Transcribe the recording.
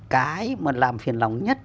cái mà làm phiền lòng nhất